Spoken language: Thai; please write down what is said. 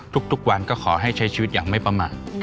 ทุกวันก็ขอให้ใช้ชีวิตอย่างไม่ประมาท